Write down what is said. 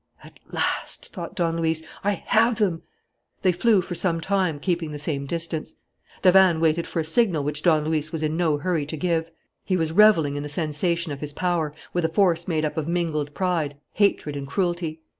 "At last," thought Don Luis, "I have them!" They flew for some time, keeping the same distance. Davanne waited for a signal which Don Luis was in no hurry to give. He was revelling in the sensation of his power, with a force made up of mingled pride, hatred, and cruelty.